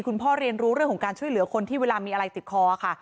คุณพ่อเรียนรู้เรื่องของการช่วยเหลือคนที่เวลามีอะไรติดคอค่ะ